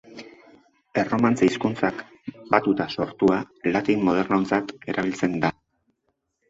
Erromantze hizkuntzak batuta sortua, latin modernotzat erabiltzen da.